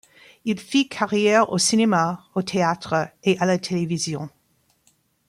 Il fit carrière au cinéma, au théâtre et à la télévision.